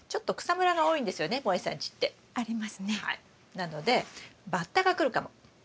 なのでバッタが来るかも。